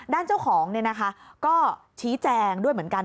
ด้านเจ้าของก็ชี้แจงด้วยเหมือนกัน